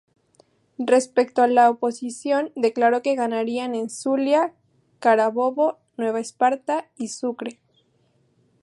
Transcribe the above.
Respecto a la oposición, declaró que ganarían en Zulia, Carabobo, Nueva Esparta y Sucre.